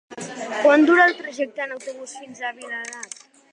Quant dura el trajecte en autobús fins a Vilanant?